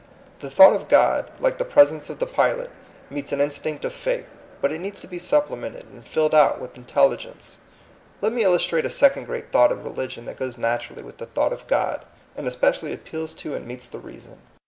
The thought of God, like the presence of the pilot, meets an in stinct of faith; but it needs to be supple mented and filled out with intelligence. Let me illustrate a second great thought of religion that goes naturally with the thought of God, and specially appeals to and meets the reason.